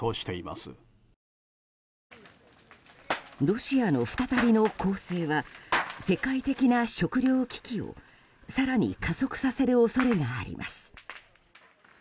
ロシアの再びの攻勢は世界的な食糧危機を更に加速させる恐れがあります。